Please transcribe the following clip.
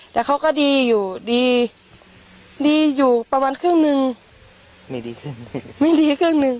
แต่เขาก็ดีอยู่ดีดีอยู่ประมาณครึ่งหนึ่งไม่ดีขึ้นไม่ดีครึ่งหนึ่ง